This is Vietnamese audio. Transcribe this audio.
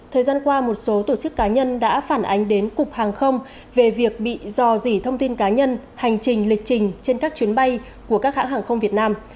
thời gian qua một số tổ chức cá nhân đã phản ánh đến cục hàng không về việc bị dò dỉ thông tin cá nhân hành trình lịch trình trên các chuyến bay của các hãng hàng không việt nam